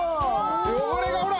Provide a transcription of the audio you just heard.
汚れがほら！